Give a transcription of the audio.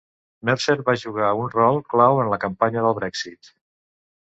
Mercer va jugar un rol clau en la campanya del Brexit.